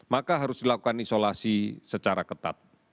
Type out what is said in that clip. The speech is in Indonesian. maka harus dilakukan isolasi secara ketat